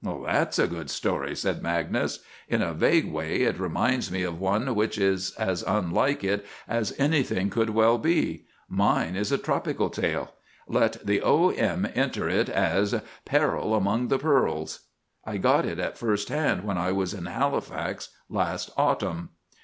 "That's a good story," said Magnus. "In a vague way it reminds me of one which is as unlike it as anything could well be. Mine is a tropical tale. Let the O. M. enter it as— 'PERIL AMONG THE PEARLS.' I got it at first hand when I was in Halifax last autumn.